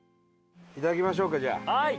いただきましょうかじゃあ。